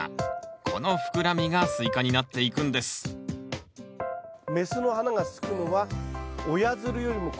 この膨らみがスイカになっていくんです雌の花がつくのは親づるよりも子づる。